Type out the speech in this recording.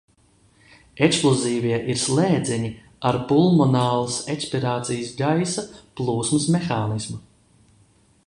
Eksplozīvie ir slēdzeņi ar pulmonālas ekspirācijas gaisa plūsmas mehānismu.